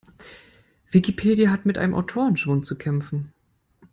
Wikipedia hat mit einem Autorenschwund zu kämpfen.